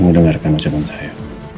kamu dengarkan ucapan saya